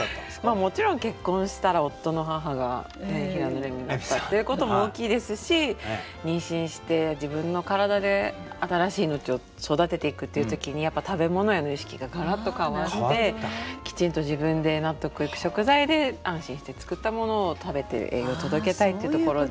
もちろん結婚したら夫の母が平野レミだったっていうことも大きいですし妊娠して自分の体で新しい命を育てていくっていう時にやっぱ食べ物への意識ががらっと変わってきちんと自分で納得いく食材で安心して作ったものを食べて栄養届けたいっていうところで。